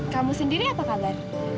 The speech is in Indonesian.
kamu sendiri apa kabar